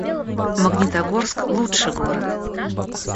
Магнитогорск — лучший город